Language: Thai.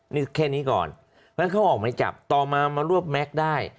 นึกแค่นี้ก่อนแล้วเขาออกมาจับต่อมามารวบแม็กซ์ได้